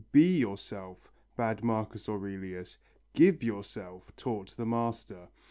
"Be yourself," bade Marcus Aurelius. "Give yourself," taught the Master.